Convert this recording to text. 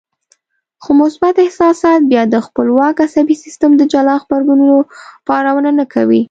خو مثبت احساسات بيا د خپلواک عصبي سيستم د جلا غبرګونونو پارونه نه کوي.